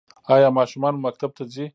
ایا ماشومان مو مکتب ته ځي؟